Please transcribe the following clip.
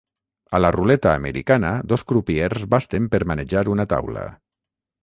A la ruleta americana dos crupiers basten per manejar una taula.